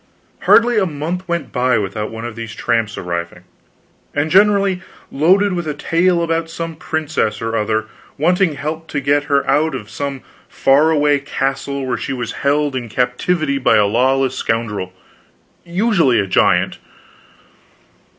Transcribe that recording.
Hardly a month went by without one of these tramps arriving; and generally loaded with a tale about some princess or other wanting help to get her out of some far away castle where she was held in captivity by a lawless scoundrel, usually a giant.